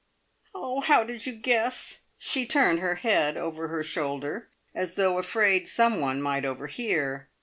"Oh, how did you guess?" She turned her head over her shoulder, as though afraid some one might overhear.